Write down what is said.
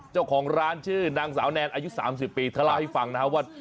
เจ้าของร้านชื่อนางสาวแนนอายุ๓๐ปีเธอเล่าให้ฟังนะครับว่า